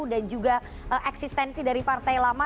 dan juga eksistensi dari partai lama